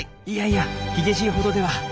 いやいやヒゲじいほどでは。